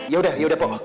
ya yaudah yaudah pok